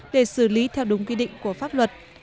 để xử lý theo đúng quy định của pháp luật